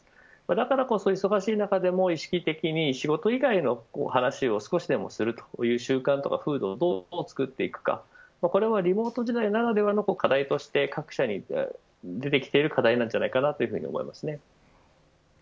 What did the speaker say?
だからこそ、忙しい中でも意識的に仕事以外の話を少しでもするという習慣を作っていくかこれはリモート時代ならではの課題として各社に出てきている課題だと思います。